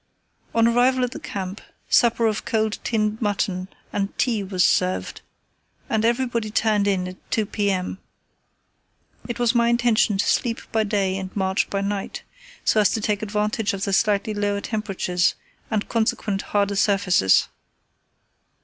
On arrival at the camp a supper of cold tinned mutton and tea was served, and everybody turned in at 2 p.m. It was my intention to sleep by day and march by night, so as to take advantage of the slightly lower temperatures and consequent harder surfaces.